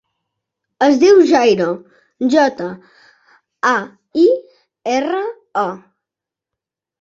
Es diu Jairo: jota, a, i, erra, o.